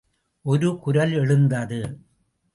ஒரு குரல் எழுந்தது.